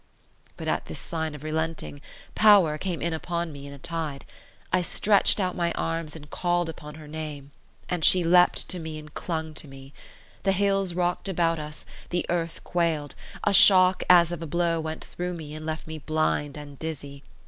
But at this sign of relenting, power came in upon me in a tide. I stretched out my arms and called upon her name; and she leaped to me and clung to me. The hills rocked about us, the earth quailed; a shock as of a blow went through me and left me blind and dizzy.